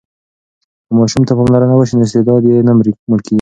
که ماشوم ته پاملرنه وسي نو استعداد یې نه مړ کېږي.